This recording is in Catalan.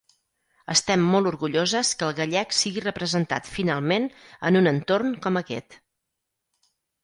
Estem molt orgulloses que el gallec sigui representat finalment en un entorn com aquest.